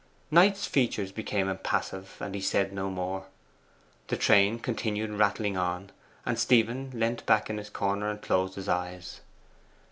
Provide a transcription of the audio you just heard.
Knight's features became impassive, and he said no more. The train continued rattling on, and Stephen leant back in his corner and closed his eyes.